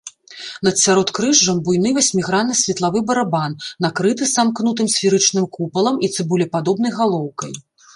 Над сяродкрыжжам буйны васьмігранны светлавы барабан накрыты самкнутым сферычным купалам і цыбулепадобнай галоўкай.